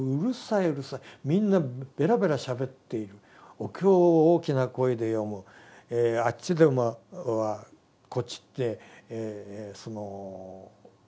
みんなベラベラしゃべっているお経を大きな声で読むあっちではこっちいって将棋を打ってる。